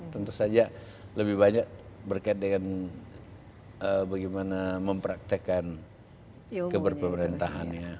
tentu saja lebih banyak berkait dengan bagaimana mempraktekkan keberpemerintahannya